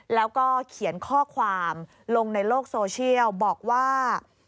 แล้วก็เขียนข้อความลงในโลกโซเชียลบอกว่า